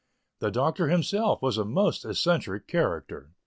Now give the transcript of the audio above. The Doctor himself was a most eccentric character.